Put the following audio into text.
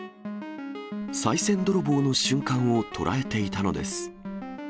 さい銭泥棒の瞬間を捉えていたのです。